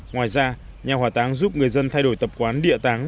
ngoài ra nhà hỏa táng giúp người dân thay đổi tập quán địa táng